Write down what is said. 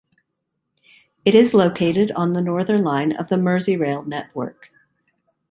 It is located on the Northern Line of the Merseyrail network.